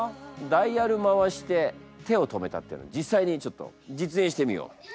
「ダイヤル回して手を止めた」っていうのを実際にちょっと実演してみよう。